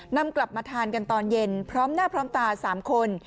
นำกลับมาทานกันตอนเย็นพร้อมหน้าพร้อมตา๓คน